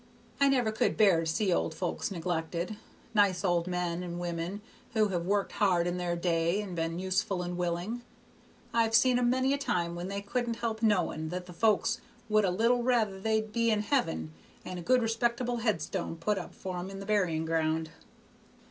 I never could bear to see old folks neglected; nice old men and women who have worked hard in their day and been useful and willin'. I've seen 'em many a time when they couldn't help knowing that the folks would a little rather they'd be in heaven, and a good respectable headstone put up for 'em in the burying ground.